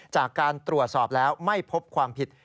จากการตรวจสอบแล้วไม่พบความผิด